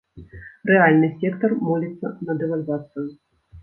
Рэальны сектар моліцца на дэвальвацыю.